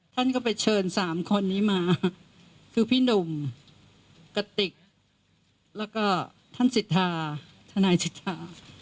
ท่านก็ไปเชิญ๓คนนี้มาคือพี่หนุ่มกติกแล้วก็ท่านสิทธาทนายสิทธา